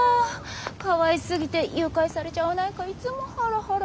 かわいすぎて誘拐されちゃわないかいつもハラハラ。